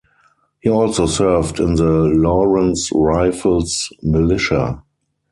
He also served in the Lawrence Rifles militia.